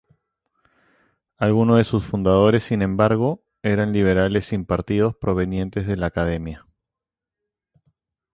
Algunos de sus fundadores, sin embargo, eran liberales sin partido provenientes de la Academia.